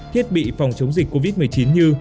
thiết bị phòng chống dịch covid một mươi chín như